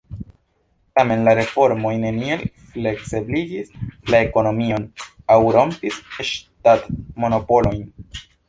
Tamen la reformoj neniel fleksebligis la ekonomion aŭ rompis ŝtatmonopolojn.